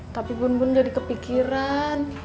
tapi bun bun jadi kepikiran